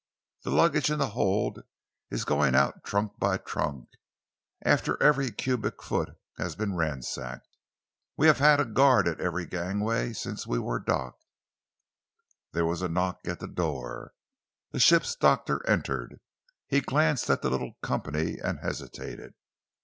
The luggage in the hold is going out trunk by trunk, after every cubic foot has been ransacked. We have had a guard at every gangway since we were docked." There was a knock at the door. The ship's doctor entered. He glanced at the little company and hesitated.